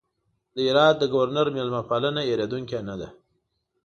د هرات د ګورنر مېلمه پالنه هېرېدونکې نه ده.